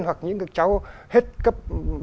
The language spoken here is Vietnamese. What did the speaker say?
hoặc những cháu hết cấp ba